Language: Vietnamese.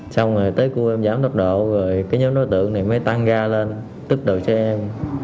xong rồi tới cua em giảm tốc độ rồi cái nhóm đối tượng này mới tăng ga lên tức đầu xe em